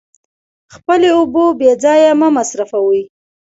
خپلې اوبه بې ځایه مه مصرفوئ.